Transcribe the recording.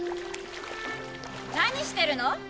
・何してるの？